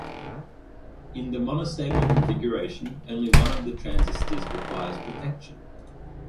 In the monostable configuration, only one of the transistors requires protection.